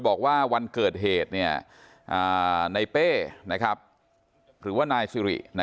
บอกว่าวันเกิดเหตุเนี่ยในเป้นะครับหรือว่านายสิรินะ